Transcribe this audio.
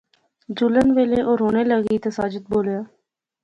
جلن ویلے او رونے لاغی تے ساجد بولیا